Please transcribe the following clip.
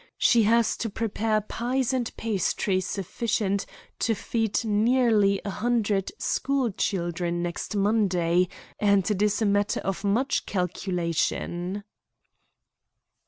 She has to prepare pies and pastry sufficient to feed nearly a hundred school children next Monday, and it is a matter of much calculation."